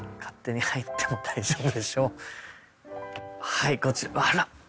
はいこちらあら。